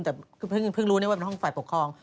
แต่เพิ่งรู้ว่าเป็นห้องฝ่ายปกครอง